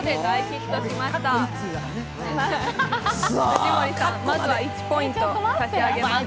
藤森さん、まずは１ポイント差し上げます。